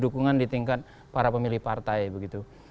dukungan di tingkat para pemilih partai begitu